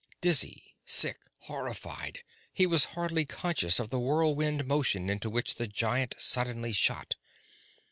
Dizzy, sick, horrified, he was hardly conscious of the whirlwind motion into which the giant suddenly shot.